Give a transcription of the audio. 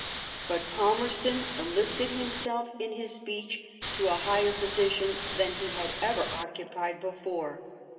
But Palmerston lifted himself in his speech to a higher position than he had ever occupied before.